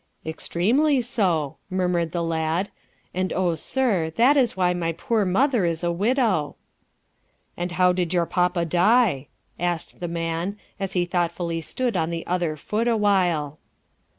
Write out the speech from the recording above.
"Extremely so," murmured the lad, "and, oh, sir, that is why my poor mother is a widow." "And how did your papa die?" asked the man, as he thoughtfully stood on the other foot a while.